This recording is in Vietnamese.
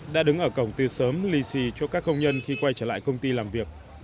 đã đứng ở cổng từ sớm lì xì cho các công nhân khi quay trở lại công ty làm việc